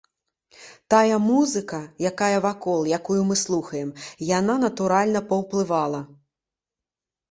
Тая музыка, якая вакол, якую мы слухаем, яна, натуральна, паўплывала.